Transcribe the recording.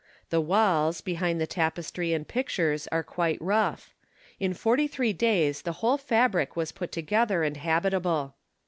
The walls, behind the tapestry and pictures, are quite rough. In forty three days the whole fabric was put together and habitable.